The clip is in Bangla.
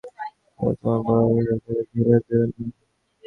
তুমি নিশ্চয় জেনো আমি অনুরোধ করলে তোমার বড়োসাহেব তোমাকে জেলে দেবেন না।